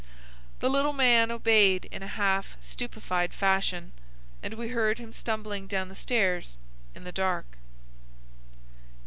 The little man obeyed in a half stupefied fashion, and we heard him stumbling down the stairs in the dark.